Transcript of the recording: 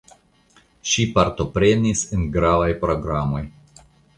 Ŝi partoprenis en gravaj programoj.